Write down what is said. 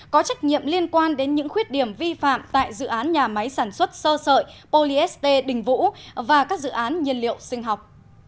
có trách nhiệm liên quan đến những khuyết điểm vi phạm tại dự án nhà máy sản xuất sơ sợi polyest đình vũ và các dự án nhiên liệu sinh học